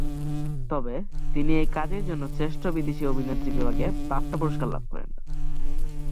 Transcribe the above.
তবে তিনি এই কাজের জন্য শ্রেষ্ঠ বিদেশি অভিনেত্রী বিভাগে বাফটা পুরস্কার লাভ করেন।